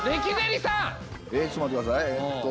えっちょっと待ってくださいえっと。